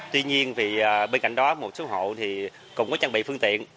tuy nhiên bên cạnh đó một số hộ cũng có trang bị phương tiện